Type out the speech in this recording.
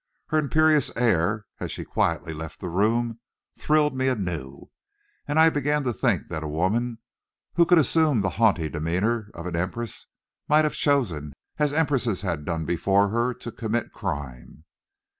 Her imperious air as she quietly left the room thrilled me anew, and I began to think that a woman who could assume the haughty demeanor of an empress might have chosen, as empresses had done before her, to commit crime.